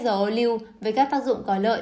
dầu ô lưu với các tác dụng có lợi